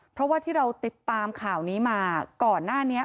เพราะว่าที่เราติดตามข่าวนี้มาก่อนหน้านี้